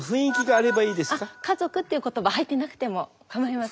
あっ家族っていう言葉入ってなくてもかまいません。